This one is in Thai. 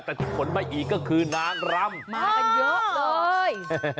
แต่ที่ขนมาอีกก็คือนางรำมากันเยอะเลย